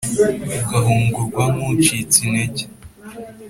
ugahungurwa nk’ucitse intege